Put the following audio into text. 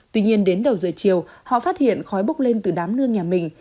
tuy nhiên đến đầu giờ chiều họ phát hiện khói bốc lên từ đám nương nhà mình